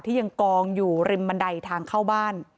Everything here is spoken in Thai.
ยังกองอยู่ริมบันไดทางเข้าบ้าน